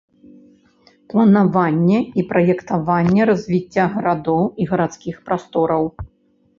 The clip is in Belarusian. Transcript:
Планаванне і праектаванне развіцця гарадоў і гарадскіх прастораў.